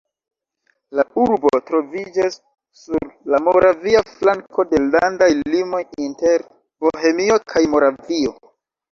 La urbo troviĝas sur la moravia flanko de landaj limoj inter Bohemio kaj Moravio.